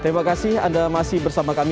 terima kasih anda masih bersama kami